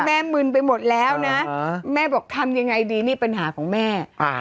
มึนไปหมดแล้วนะแม่บอกทำยังไงดีนี่ปัญหาของแม่